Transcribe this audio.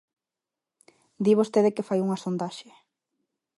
Di vostede que fai unha sondaxe.